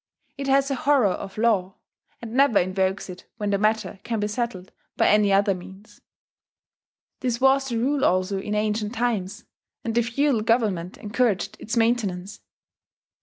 It has a horror of law, and never invokes it when the matter can be settled by any other means. This was the rule also in ancient times, and the feudal government encouraged its maintenance.